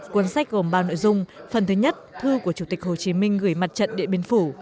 cuốn sách gồm bao nội dung phần thứ nhất thư của chủ tịch hồ chí minh gửi mặt trận điện biên phủ